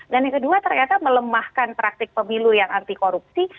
dan yang kedua ternyata melemahkan praktik pemilu yang anti korupsi